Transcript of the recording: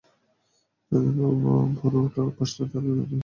যাঁদের ভোরে ওঠার অভ্যাস নেই, তাঁর জেনে নিতে পারেন সেই সুফল।